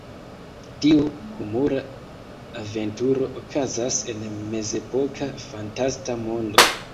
Tiu humura aventuro okazas en mezepoka fantasta mondo.